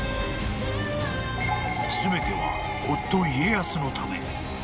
［全ては夫家康のため］